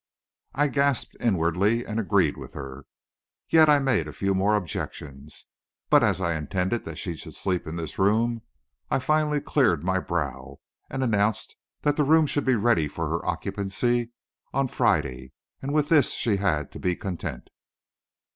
I gasped inwardly, and agreed with her. Yet I made a few more objections. But as I intended that she should sleep in this room, I finally cleared my brow, and announced that the room should be ready for her occupancy on Friday; and with this she had to be content.